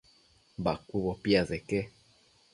Bacuëbo piaseque